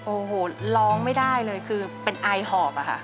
โอ้โหร้องไม่ได้เลยเป็นไอหอบค่ะ